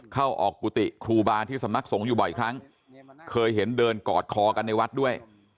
เข้าออกกุฏิครูบาที่สำนักสงฆ์อยู่บ่อยครั้งเคยเห็นเดินกอดคอกันในวัดด้วย